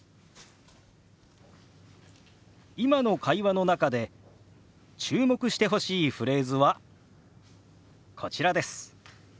今の会話の中で注目してほしいフレーズはこちらです。